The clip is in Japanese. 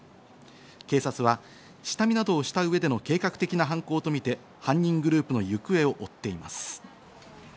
警察は下見などをした上での計画的な犯行とみて犯人グループの行方を追っています。